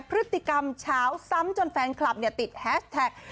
พฤติกรรมเช้าซ้ำจนแฟนคลับติดแฮชแท็ก